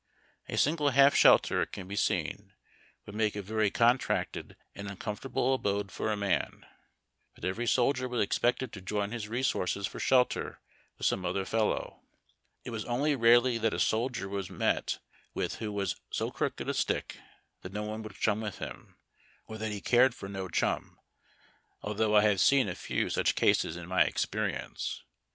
A single half shelter, it can be seen, would make a yery contracted and uncomfortable abode for a man ; but every soldier was ex pected to join his resources for shelter with some other fel low. It was only rarely that a soldier was met witii who was so crooked a stick that no one would chum with him, or that he cared for no chum, although I have seen a few such cases in my experience.